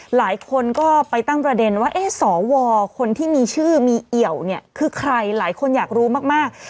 หลายคนก็ไปตั้งประเด็นว่าเอ๊ะสวคนที่มีชื่อมีเอี่ยวเนี่ยคือใครหลายคนอยากรู้มาก